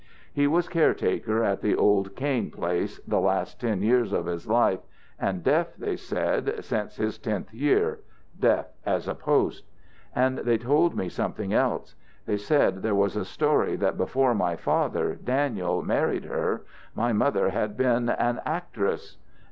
He was caretaker at the old 'Kain place' the last ten years of his life, and deaf, they said, since his tenth year 'deaf as a post.' And they told me something else. They said there was a story that before my father, Daniel, married her, my mother had been an actress.